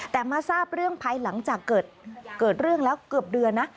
แต่มาทราบเรื่องภายหลังจากเกิดเรื่องแล้วเกือบเดือนนะ